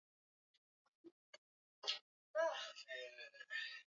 Huwenda asiolewe au mahari yake itapunguzwa